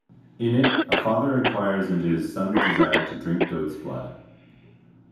In it, a father inquires into his son's desire to drink goat's blood.